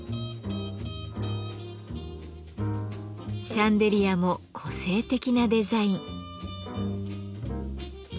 シャンデリアも個性的なデザイン。